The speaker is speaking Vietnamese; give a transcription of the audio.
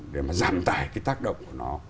để mà giảm tài cái tác động của nó